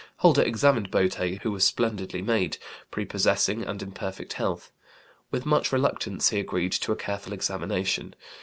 Holder examined boté who was splendidly made, prepossessing, and in perfect health. With much reluctance he agreed to a careful examination.